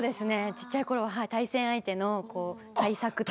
ちっちゃい頃は対戦相手の対策とか。